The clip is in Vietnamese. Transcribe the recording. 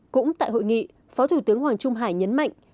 cũng tại hội nghị phó thủ tướng hoàng trung hải nhấn mạnh